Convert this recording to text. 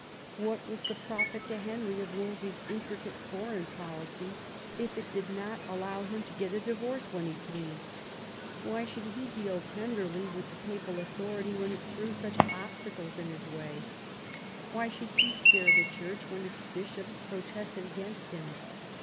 What was the profit to Henry of Wolsey's intricate foreign policy if it did not allow him to get a. divorce when he pleased *? Why should he deal tenderly with the papal authority when it threw such obstacles in his way 1 Why should he spare the Church when its bishops protested against him